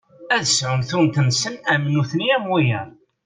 Ad sɛun tunet-nsen am nutni am wiyaḍ.